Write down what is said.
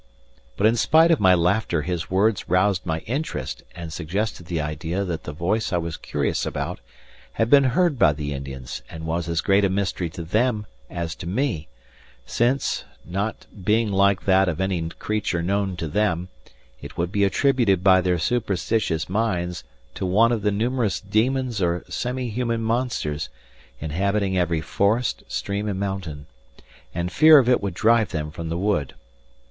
But in spite of my laughter his words roused my interest and suggested the idea that the voice I was curious about had been heard by the Indians and was as great a mystery to them as to me; since, not being like that of any creature known to them, it would be attributed by their superstitious minds to one of the numerous demons or semi human monsters inhabiting every forest, stream, and mountain; and fear of it would drive them from the wood.